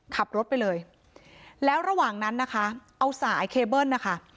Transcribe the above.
ขับรถไปเลยแล้วระหว่างนั้นนะคะเอาสายเคเบิ้ลนะคะ